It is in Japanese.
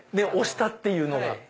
押したっていうのが。